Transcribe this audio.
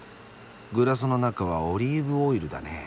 グラスの中はオリーブオイルだね。